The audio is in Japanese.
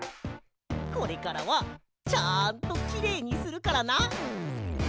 これからはちゃんとキレイにするからな。